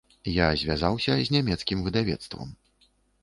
Я звязаўся з нямецкім выдавецтвам.